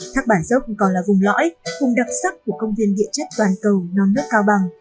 thác bản dốc còn là vùng lõi vùng đặc sắc của công viên địa chất toàn cầu non nước cao bằng